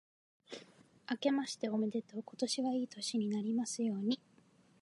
あけましておめでとう。今年はいい年になりますように。